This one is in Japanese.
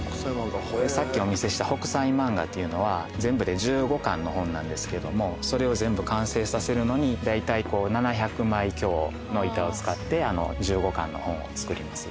さっきお見せした『北斎漫画』っていうのは全部で１５巻の本なんですけどもそれを全部完成させるのにだいたい７００枚強の板を使って１５巻の本を作ります。